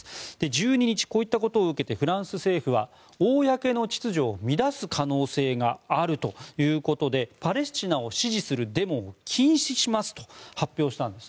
１２日、こういったことを受けてフランス政府は公の秩序を乱す可能性があるということでパレスチナを支持するデモを禁止しますと発表したんです。